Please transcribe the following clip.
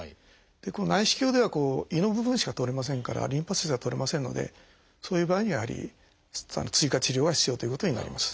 この内視鏡では胃の部分しか取れませんからリンパ節は取れませんのでそういう場合にはやはり追加治療は必要ということになります。